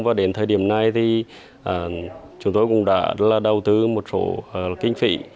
và đến thời điểm này thì chúng tôi cũng đã là đầu tư một số kinh phị